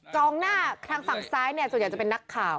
องหน้าทางฝั่งซ้ายเนี่ยส่วนใหญ่จะเป็นนักข่าว